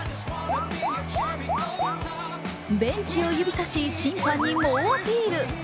ベンチを指さし、審判に猛アピール